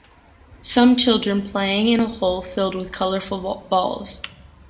Some children playing in a hole filled with colorful balls.